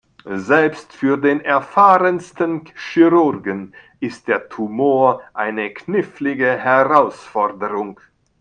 Selbst für den erfahrensten Chirurgen ist der Tumor eine knifflige Herausforderung.